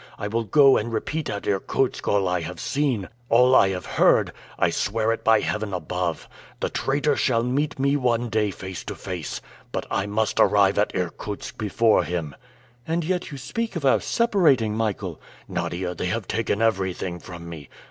I will go and repeat at Irkutsk all I have seen, all I have heard; I swear it by Heaven above! The traitor shall meet me one day face to face! But I must arrive at Irkutsk before him." "And yet you speak of our separating, Michael?" "Nadia, they have taken everything from me!"